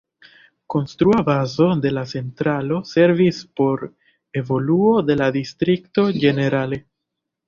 Konstrua bazo de la centralo servis por evoluo de la distrikto ĝenerale.